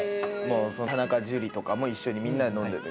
田中樹とかも一緒にみんなで飲んでて。